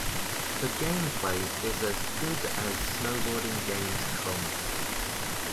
The gameplay is as good as snowboarding games come.